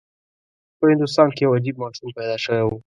په هندوستان کې یو عجیب ماشوم پیدا شوی و.